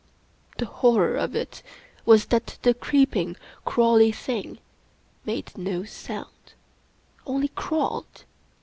The horror of it was that the creeping, crawly thing made no sound — only crawled!